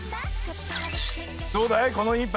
どうだい？